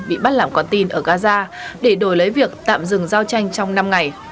bị bắt làm con tin ở gaza để đổi lấy việc tạm dừng giao tranh trong năm ngày